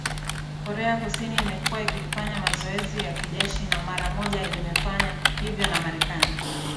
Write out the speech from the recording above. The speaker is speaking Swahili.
korea kusini imekuwa ikifanya mazoezi ya kijeshi na mara moja imefanya hivyo na marekani